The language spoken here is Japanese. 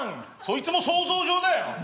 そいつも想像上だよ！